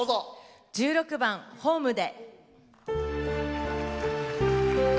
１６番「ホームで」。